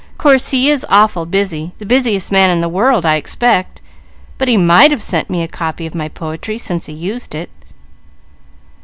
"Course he is awful busy, the busiest man in the world, I expect, but he might have sent me a copy of my poetry, since he used it."